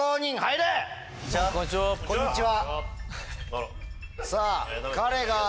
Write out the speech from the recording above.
こんにちは。